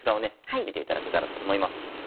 見ていただけたらと思います。